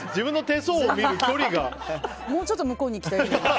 もうちょっと向こうに行きたい。